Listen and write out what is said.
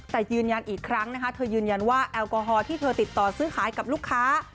แต่ยืนยันอีกครั้งนะคะเธอยืนยันว่าแอลกอฮอลที่เธอติดต่อซื้อขายกับลูกค้า